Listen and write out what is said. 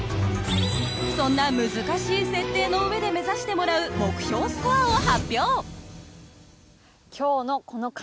そんな難しい設定のうえで目指してもらう目標スコアを発表。